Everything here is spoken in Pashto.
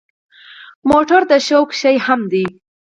موټر د شوق شی هم دی.